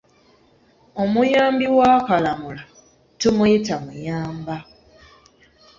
Omuyambi wa kalamula, tumuyita muyamba.